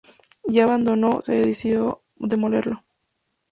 Ya abandonado, se decidió demolerlo.